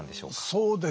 そうですね。